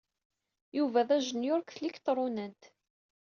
Yuba d ajenyuṛ deg tliktṛunant.